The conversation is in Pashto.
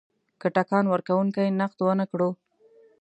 که ټکان ورکونکی نقد ونه کړو.